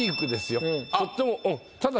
とっても。